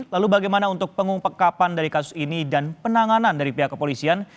lalu bagaimana untuk pengungpek kapan dari kasus ini dan penanganan dari pihak kepolisian